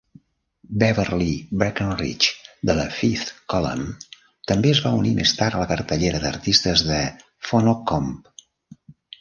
Beverly Breckenridge de la Fifth Column també es va unir més tard a la cartellera d'artistes de Phono-Comb.